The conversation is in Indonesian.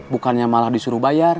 bukannya malah disuruh bayar